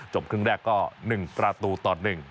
ครึ่งแรกก็๑ประตูต่อ๑